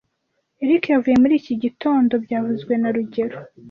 Eric yavuye muri iki gitondo byavuzwe na rugero